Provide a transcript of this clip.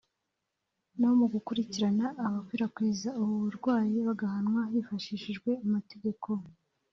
no mu gukurikirana abakwirakwiza uburwayi bagahanwa hifashishijwe amategeko